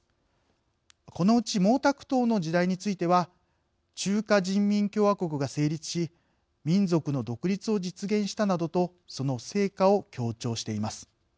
このうち毛沢東の時代については中華人民共和国が成立し民族の独立を実現したなどとその成果を強調しています。